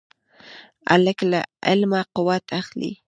هلک له علمه قوت اخلي.